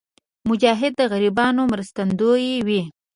مجاهد د غریبانو مرستندوی وي.